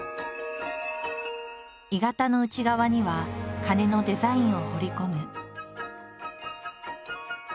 鋳型の内側には鐘のデザインを彫り込む。